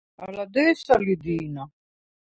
ალა დე̄სა ლი დი̄ნა.